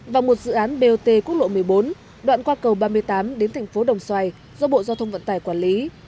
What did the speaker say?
và một dự án bot quốc lộ một mươi bốn đoạn qua cầu ba mươi tám đến thành phố đồng xoài do bộ giao thông vận tải quản lý